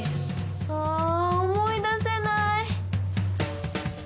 あ思い出せない！